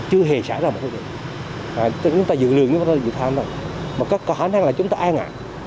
chưa hề xảy ra một điều gì chúng ta dự lượng chúng ta dự tham mà có khả năng là chúng ta ai ngạc